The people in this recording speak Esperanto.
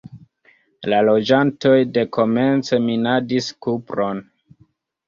La loĝantoj dekomence minadis kupron.